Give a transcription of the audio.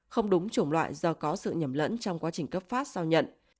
không đúng chủng loại do có sự nhầm lẫn trong quá trình cấp phát sau nhận